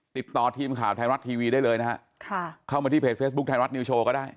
ติดต่อทีมข่าวไทยรัฐทีวีได้เลยนะฮะค่ะเข้ามาที่เพจเฟซบุ๊คไทยรัฐนิวโชว์ก็ได้